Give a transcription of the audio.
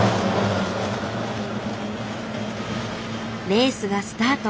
レースがスタート。